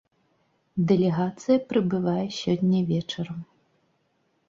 Дэлегацыя прыбывае сёння вечарам.